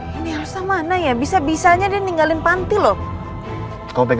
yang alesam ananya bisa bisanya di name to the love kamu tidak membut